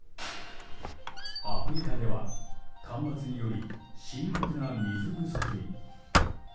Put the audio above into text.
アフリカでは干ばつにより深刻な水不足に。